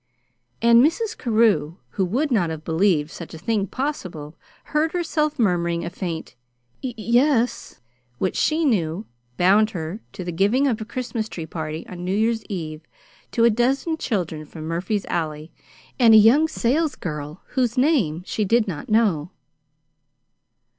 And Mrs. Carew, who would not have believed such a thing possible, heard herself murmuring a faint "yes," which, she knew, bound her to the giving of a Christmas tree party on New Year's Eve to a dozen children from Murphy's Alley and a young salesgirl whose name she did not know.